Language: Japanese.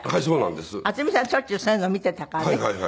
しょっちゅうそういうのを見ていたからね。